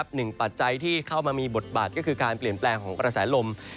ปัจจัยที่เข้ามามีบทบาทก็คือการเปลี่ยนแปลงของกระแสลม